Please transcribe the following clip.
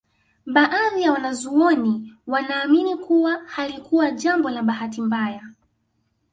Baadhi ya wanazuoni wanaamini kuwa halikuwa jambo la bahati mbaya